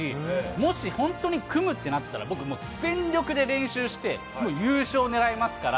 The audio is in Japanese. もし本当に組むってなったら、僕、全力で練習して、もう優勝狙いますから。